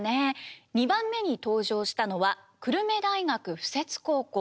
２番目に登場したのは久留米大学附設高校。